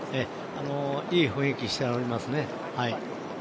いい雰囲気しておりますね。